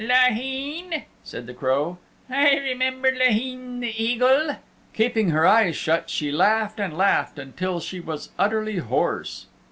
"Laheen," said the Crow, "I remember Laheen the Eagle." Keeping her eyes shut, she laughed and laughed until she was utterly hoarse.